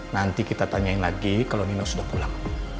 nanti kita tanyain lagi kalau nino sudah pulang